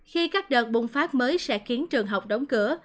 khi các đợt bùng phát mới sẽ khiến trường học đóng cửa